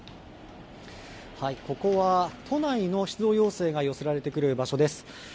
ここは、都内の出動要請が寄せられてくる場所です。